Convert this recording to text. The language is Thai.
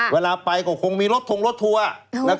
เวลาไปก็คงมีรถทงรถทัวร์